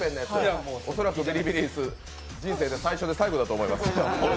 恐らくビリビリ椅子、人生で最初で最後だと思います。